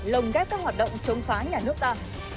lồng ghép các hoạt động chống phá nhà nước ta